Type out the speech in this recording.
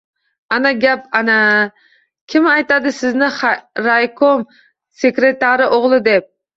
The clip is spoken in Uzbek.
— Ana gap, ana! Kim aytadi sizni raykom sekretarini o‘g‘li deb?